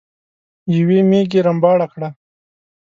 يوې ميږې رمباړه کړه.